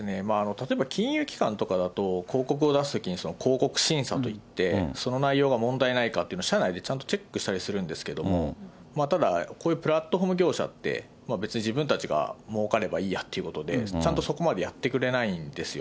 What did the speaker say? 例えば金融機関とかだと広告を出すときに、広告審査といって、その内容が問題ないかってのは社内でちゃんとチェックしたりするんですけれども、ただこういうプラットフォーム業者って、別に自分たちがもうかればいいやってことで、ちゃんとそこまでやってくれないんですよ。